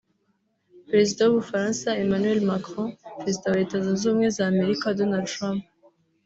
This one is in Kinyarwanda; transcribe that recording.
Perezida w’u Bufaransa Emmanuel Macron Perezida wa Leta Zunze Ubumwe za Amerika Donald Trump